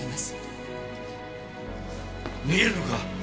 逃げるのか？